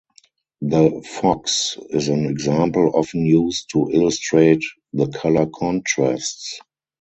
The "Fox" is an example often used to illustrate the color contrasts.